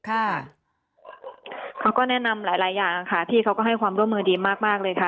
เขาก็แนะนำหลายอย่างค่ะที่เขาก็ให้ความร่วมมือดีมากเลยค่ะ